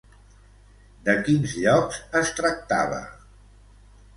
De quins llocs es tractava?